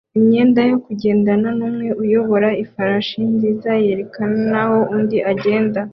imyenda yo kugendana numwe uyobora ifarashi nziza yerekana naho undi agenda